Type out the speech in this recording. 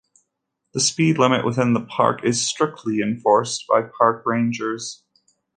The speed limit within the park is strictly enforced by park rangers.